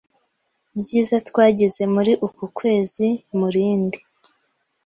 byiza twagize muri uku kwezi Mu rindi